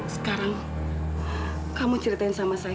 sekarang kamu ceritain sama saya